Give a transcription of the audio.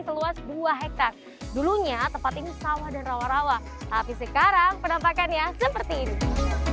seluas dua hektare dulunya tempat ini sawah dan rawa rawa tapi sekarang penampakannya seperti ini